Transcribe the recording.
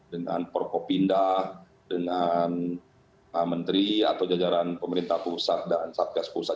dengan prokopindah dengan menteri atau jajaran pemerintah pusat dan satgas pusat